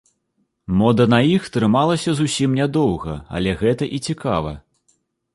Мода на іх трымалася зусім нядоўга, але гэта і цікава.